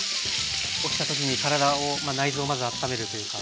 起きた時に体を内臓をまずあっためるというか。